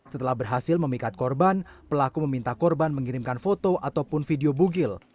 setelah berhasil memikat korban pelaku meminta korban mengirimkan foto ataupun video bugil